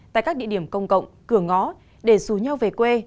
tại các địa điểm công cộng cửa ngõ để dù nhau về quê